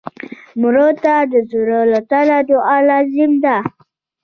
مړه ته د زړه له تله دعا لازم ده